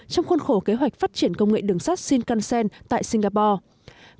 trong khuôn khổ kế hoạch phát triển công nghệ đường sắt shinkansen tại singapore